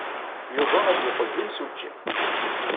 Yuba ad yeqqel d imsujji.